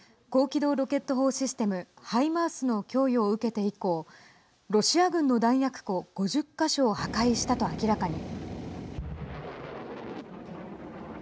機動ロケット砲システム＝ハイマースの供与を受けて以降ロシア軍の弾薬庫５０か所を破壊したと明らかに。